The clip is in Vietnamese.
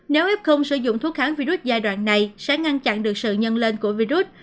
nếu f không sử dụng thuốc kháng virus giai đoạn này sẽ ngăn chặn được sự nhân lên của virus